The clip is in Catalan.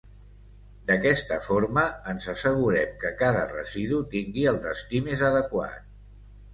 D’aquesta forma, ens assegurem que cada residu tingui el destí més adequat.